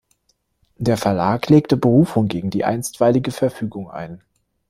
Der Verlag legte Berufung gegen die einstweilige Verfügung ein.